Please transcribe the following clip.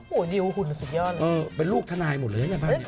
โอ้โหดิวหุ่นสุดยอดน่ะเออเป็นลูกทนายหมดเลยเนี่ยบ้างเนี่ย